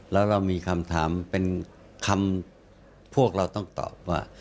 แล้วเรามีคำถามเป็นคำพวกเราต้องตอบว่า